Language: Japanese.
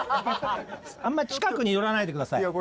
あんまり近くに寄らないでください。